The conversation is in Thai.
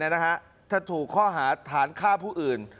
ถ้าถูกข้อหาฐานฆ่าผู้อื่น